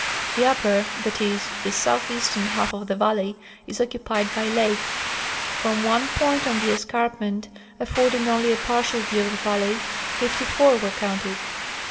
The upper, that is, the southeastern, half of the valley is occupied by lakes. From one point on the escarpment, affording only a partial view of the valley, fifty four Avere counted.